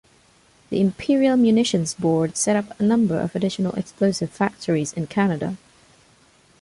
The Imperial Munitions Board set up a number of additional explosives factories in Canada.